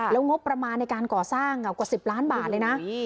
แล้วงบประมาณในการก่อสร้างกว่า๑๐ล้านบาทเลยนะ